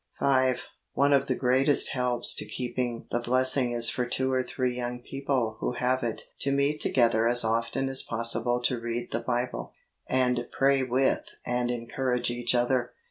5. One of the greatest helps to keeping the blessing is for two or three young people who have it to meet together as often as possible to read the Bible, and pray with and encourage each other.